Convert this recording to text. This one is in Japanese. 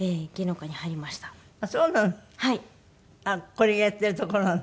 これがやってるところなの？